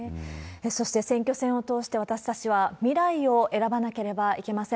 そして選挙戦を通して、私たちは未来を選ばなければいけません。